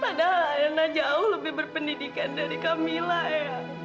padahal alina jauh lebih berpendidikan dari camilla ya